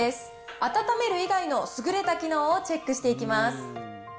温める以外の優れた機能をチェックしていきます。